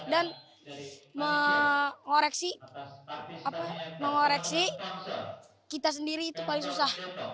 dan mengoreksi kita sendiri itu paling susah